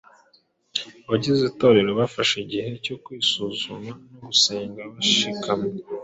Abagize Itorero bafashe igihe cyo kwisuzuma no gusenga bashikamye.